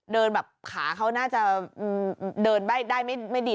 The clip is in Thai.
เดินแบบขาเขาน่าจะอืมอืมเดินได้ได้ไม่ไม่ดี